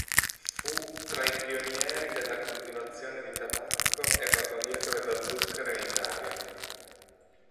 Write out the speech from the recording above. Fu tra i pionieri della coltivazione di tabacco e barbabietole da zucchero in Italia.